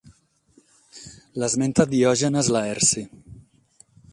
L'esmenta Diògenes Laerci.